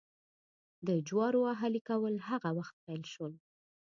د جوارو اهلي کول هغه وخت پیل شول.